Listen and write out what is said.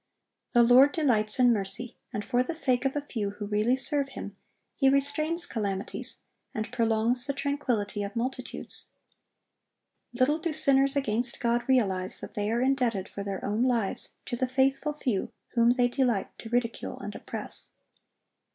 The Lord delights in mercy; and for the sake of a few who really serve Him, He restrains calamities, and prolongs the tranquillity of multitudes. Little do sinners against God realize that they are indebted for their own lives to the faithful few whom they delight to ridicule and oppress.